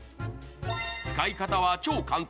使い方は超簡単。